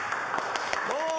どうも。